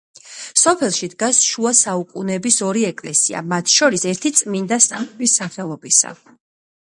სოფელში დგას შუა საუკუნეების ორი ეკლესია, მათ შორის ერთი წმინდა სამების სახელობისა.